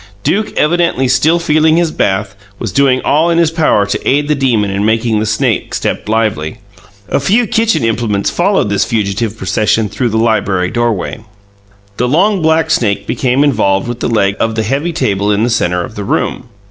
Duke evidently still feeling his bath, was doing all in his power to aid the demon in making the snake step lively. A few kitchen implements followed this fugitive procession through the library doorway. The long, black snake became involved with a leg of the heavy table in the centre of the room.